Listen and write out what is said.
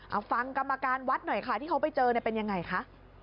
เอาฟังกรรมการวัดหน่อยค่ะที่เขาไปเจอเนี่ยเป็นยังไงคะ